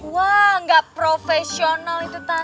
wah gak profesional itu tante